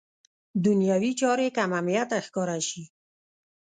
دنیوي چارې کم اهمیته ښکاره شي.